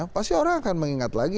pasti orang akan mengingat lagi